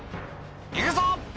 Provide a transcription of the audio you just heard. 「いくぞ！」